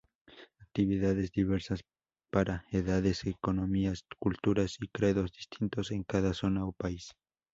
Actividades diversas para edades, economías, culturas y credos distintos en cada zona o país.